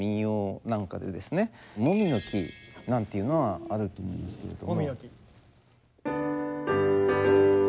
「もみの木」なんていうのはあると思うんですけれども。